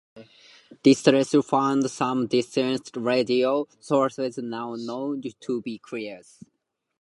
This telescope found some distant radio sources now known to be quasars.